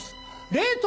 冷凍。